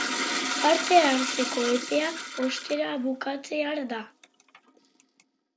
Parte hartzeko epea, ostera, bukatzear da.